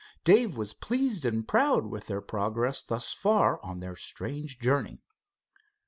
Dave was pleased and proud with their progress thus far on their strange journey.